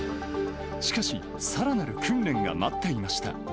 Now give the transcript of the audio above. しかし、さらなる訓練が待っていました。